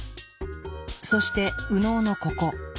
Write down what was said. そして右脳のここ。